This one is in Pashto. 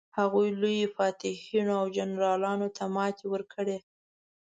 هغوی لویو فاتحینو او جنرالانو ته ماتې ورکړې.